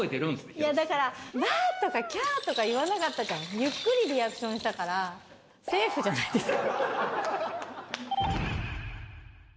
いや、だから、わー！とかきゃー！とか、言わなかったから、ゆっくりリアクションしたから、セーフじゃないですか？